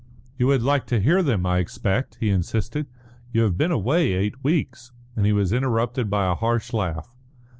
"You would like to hear them, I expect," he insisted. "You have been away eight weeks." And he was interrupted by a harsh laugh.